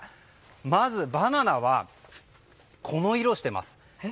まず、バナナはこの色をしています。